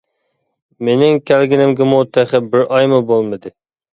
مىنىڭ كەلگىنىمگىمۇ تېخى بىر ئايمۇ بولمىدى.